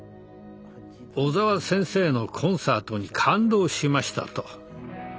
「小澤先生のコンサートに感動しました」と。